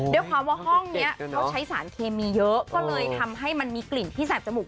ด้วยความว่าห้องนี้เขาใช้สารเคมีเยอะก็เลยทำให้มันมีกลิ่นที่แสบจมูก